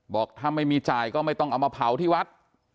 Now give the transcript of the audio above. บอกถ้าไม่มีจ่ายก็ไม่ต้องเอามาเผาที่วัด